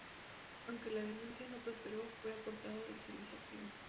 Aunque la denuncia no prosperó, fue apartado del servicio activo.